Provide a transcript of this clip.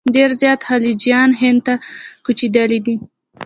ډېر زیات خلجیان هند ته کوچېدلي دي.